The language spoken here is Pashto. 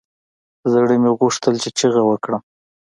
زړه مې غوښتل چې چيغه وکړم.